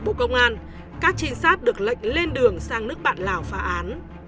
bộ công an các trinh sát được lệnh lên đường sang nước bạn lào phá án